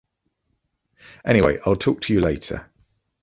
Anyway, I’ll talk to you later.